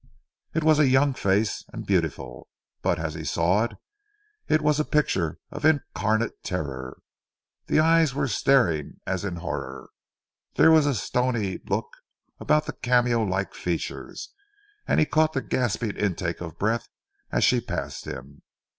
It was a young face, and beautiful, but as he saw it, it was a picture of incarnate terror. The eyes were staring as in horror. There was a stony look about the cameo like features, and he caught the gasping intake of breath as she passed him.